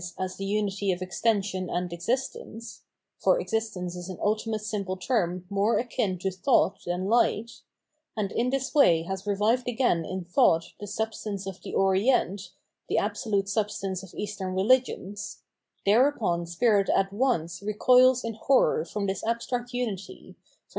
as unity of extension and existence — for " existence " is an ultimate simple term more akin to thought than " Light "— and in this way has revived again in thought the Substance of the Orient,f the Absolute Substance of Eastern Religions ; thereupon spirit at once recoils in horror from this abstract unity, from this